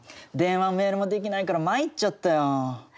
電話もメールもできないからまいっちゃったよ。